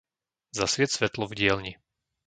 Zasvieť svetlo v dielni.